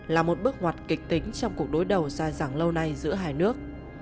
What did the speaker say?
là một bước hoạt kịch tính trong cuộc đối đầu dài dẳng lâu nay giữa hai nước